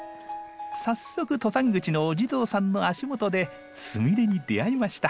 早速登山口のお地蔵さんの足元でスミレに出会いました。